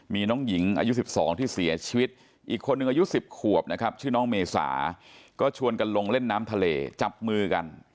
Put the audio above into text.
มีน้องหญิงอายุ๑๒ที่เสียชีวิตอีกคนนึงอายุ๑๐ขวบนะครับชื่อน้องเมษาก็ชวนกันลงเล่นน้ำทะเลจับมือกัน